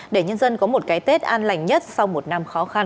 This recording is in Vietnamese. để nhân dân có một cái tết an lành nhất sau một năm khó khăn